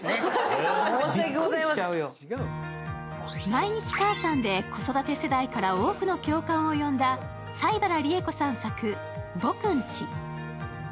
「毎日かあさん」で子育て世代から多くの共感を呼んだ西原理恵子さん作「ぼくんち」。